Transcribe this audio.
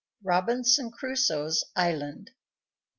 ROBINSON CRUSOE'S ISLAND.